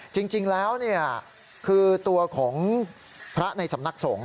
จริงแล้วคือตัวของพระในสำนักสงฆ